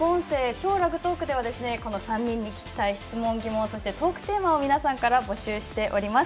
「超ラグトーク」ではこの３人に聞きたい質問、疑問トークテーマを募集しています。